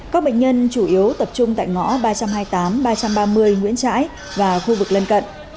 các bệnh nhân chủ yếu tập trung tại ngõ ba trăm hai mươi tám ba trăm ba mươi nguyễn trãi và khu vực lân cận